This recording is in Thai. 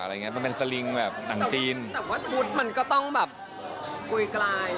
มันเป็นสลิงแบบต่างจีนแต่ว่าชุดมันก็ต้องแบบกุยกลาย